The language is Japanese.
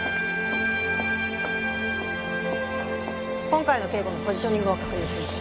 今回の警護のポジショニングを確認します。